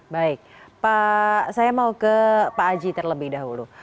baik saya mau ke pak aji terlebih dahulu